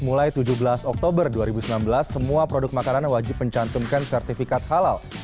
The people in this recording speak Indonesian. mulai tujuh belas oktober dua ribu sembilan belas semua produk makanan wajib mencantumkan sertifikat halal